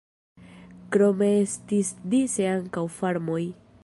Krome estis dise ankaŭ farmoj.